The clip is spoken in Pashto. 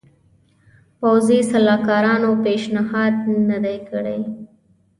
پوځي سلاکارانو پېشنهاد نه دی کړی.